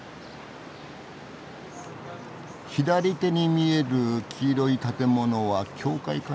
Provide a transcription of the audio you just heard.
左手に見える黄色い建物は教会かな。